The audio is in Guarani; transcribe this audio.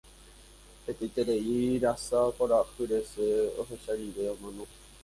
hetaitereirasa kuarahyresẽ ohecha rire omano